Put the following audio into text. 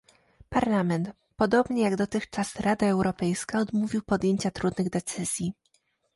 Parlament, podobnie jak dotychczas Rada Europejska, odmówił podjęcia trudnych decyzji